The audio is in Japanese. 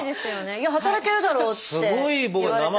いや働けるだろって言われちゃう。